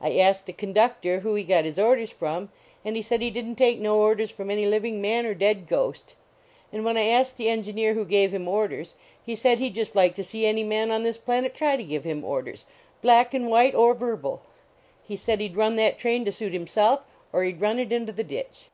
I asked a conductor who he got his orders from, and he said he didn t take no orders from any living man or dead ghost. And when I asked the engineer who gave him orders, he said he d just like to see any man on this planet try to give him orders, black and white or verbal; he said he d run that train to suit himself or he d run it into the ditch.